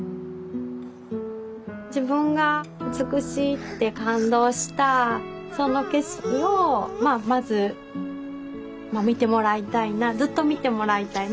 自分が美しいって感動したその景色をまあまず見てもらいたいなずっと見てもらいたい。